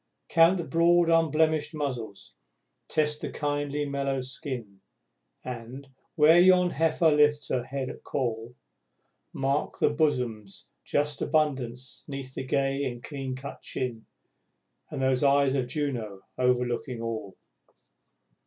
Count the broad unblemished muzzles, test the kindly mellow skin And, where yon heifer lifts her head at call, Mark the bosom's just abundance 'neath the gay and cleancut chin, And those eyes of Juno, overlooking all!